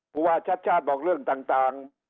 ผู้ว่าชัดชาติบอกเรื่องต่าง